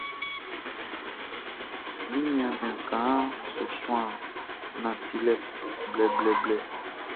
Mi niaan bian kaanʼn su suan nantilɛ blɛblɛblɛ.